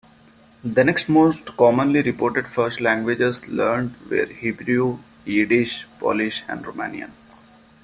The next most commonly reported first languages learned were Hebrew, Yiddish, Polish and Romanian.